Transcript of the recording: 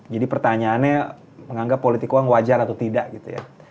jadi pertanyaannya menganggap politik uang wajar atau tidak gitu ya